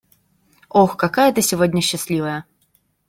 Ох, какая ты сегодня счастливая!